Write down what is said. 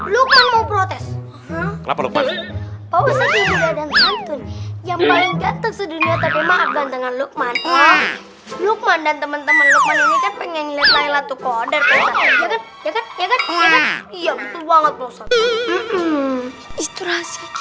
lupa mau protes lupa lupa lupa lupa lupa lupa lupa lupa lupa lupa lupa lupa lupa lupa lupa lupa